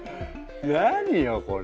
何よこれ？